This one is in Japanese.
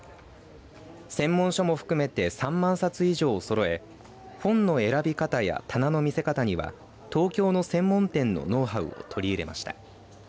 専門書も含めて３万冊以上をそろえ本の選び方や棚の見せ方には東京の専門店のノウハウを取り入れました。